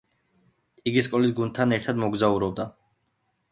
იგი სკოლის გუნდთან ერთად მოგზაურობდა.